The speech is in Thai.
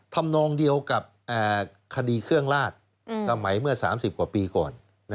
ทำนองเดียวกับคดีเครื่องลาดสมัยเมื่อ๓๐กว่าปีก่อน